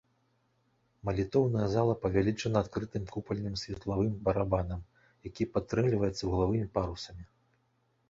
Малітоўная зала павялічана адкрытым купальным светлавым барабанам, які падтрымліваецца вуглавымі парусамі.